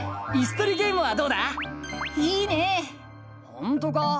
ほんとか？